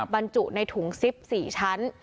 บรรจุในถุงซิป๔ชั้น